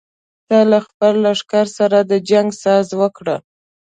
ته له خپل لښکر سره د جنګ ساز وکړه.